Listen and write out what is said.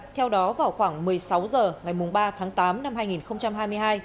theo đó vào khoảng một mươi sáu h ngày ba tháng tám năm hai nghìn hai mươi hai